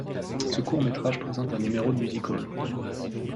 Ce court-métrage présente un numéro de music-hall.